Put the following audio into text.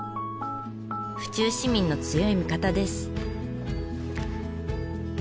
府中市民の強い味方です。